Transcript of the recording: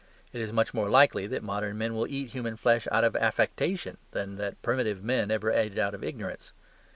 It is much more likely that modern men will eat human flesh out of affectation than that primitive man ever ate it out of ignorance.